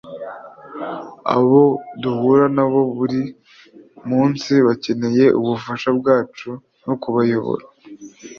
abo duhura nabo buri munsi bakeneye ubufasha bwacu no kubayobora